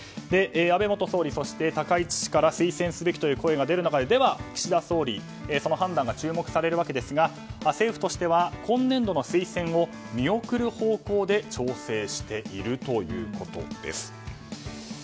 安倍元総理と高市氏から推薦すべきという声が出る中で岸田総理その判断が注目されますが政府としては今年度の推薦を見送る方向で調整しているということです。